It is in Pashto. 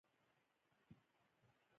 اسامه دي نه پېژاند